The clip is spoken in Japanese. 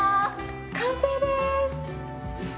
完成です。